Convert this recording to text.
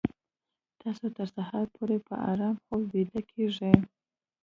تاسو تر سهاره پورې په ارام خوب ویده کیږئ